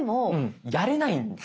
やれないんですよ。